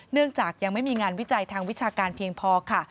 เนื่องจากยังไม่มีงานวิจัยทางวิชาการเพียงพอค่ะ